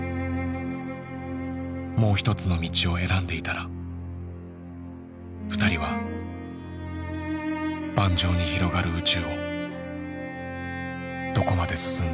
もう一つの道を選んでいたら２人は盤上に広がる宇宙をどこまで進んでいたのか。